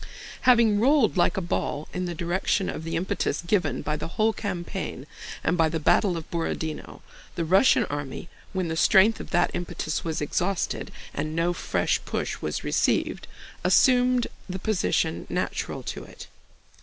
Having rolled like a ball in the direction of the impetus given by the whole campaign and by the battle of Borodinó, the Russian army—when the strength of that impetus was exhausted and no fresh push was received—assumed the position natural to it.